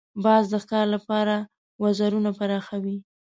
باز د ښکار لپاره وزرونه پراخوي